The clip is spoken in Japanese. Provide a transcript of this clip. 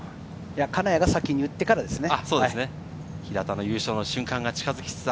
金谷が先に打ってからですね。